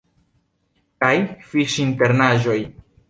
Kaj fiŝinternaĵoj!